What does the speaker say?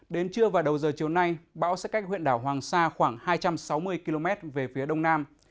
đến trưa và đầu giờ chiều nay bão sẽ cách huyện đảo hoàng sa khoảng hai trăm sáu mươi km về phía đông nam